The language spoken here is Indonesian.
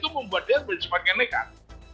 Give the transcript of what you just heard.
membuat dia menjadi nekat